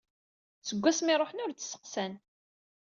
Seg wasmi i ruḥen ur d-steqsan.